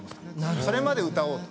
それまで歌おうと。